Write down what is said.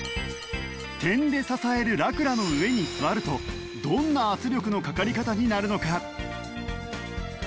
点で支えるラクラの上に座るとどんな圧力のかかり方になるのか？